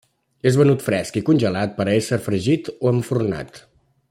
És venut fresc i congelat per a ésser fregit o enfornat.